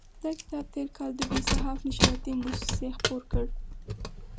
دا کتاب تېر کال دوبی صحاف نشراتي موسسې خپور کړ.